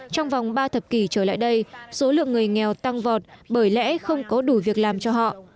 trong vòng ba thập kỷ trở lại đây số lượng người nghèo tăng vọt bởi lẽ không có đủ việc làm cho họ